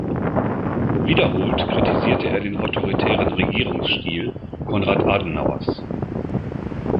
Wiederholt kritisierte er den autoritären Regierungsstil Konrad Adenauers.